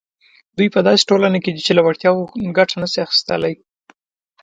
دوی په داسې ټولنه کې دي چې له وړتیاوو ګټه نه شي اخیستلای.